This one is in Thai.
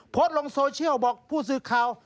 โพสต์ลงโซเชียลบอกผู้สื่อข่าว